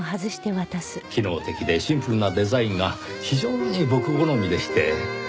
機能的でシンプルなデザインが非常に僕好みでして。